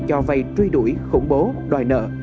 cho vay truy đuổi khủng bố đòi nợ